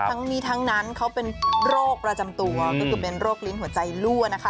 ทั้งนี้ทั้งนั้นเขาเป็นโรคประจำตัวก็คือเป็นโรคลิ้นหัวใจรั่วนะคะ